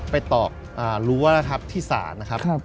ไปตอกอ่ารู้ว่านะครับที่ศาลนะครับครับ